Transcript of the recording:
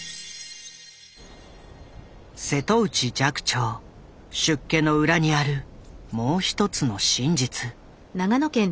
瀬戸内寂聴出家の裏にあるもう一つの真実。